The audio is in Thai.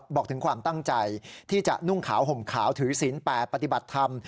บอกถึงความตั้งใจที่จะนุ่งขาวห่มขาวถือศีลแปดปฏิบัติธรรม